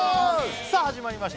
さあ始まりました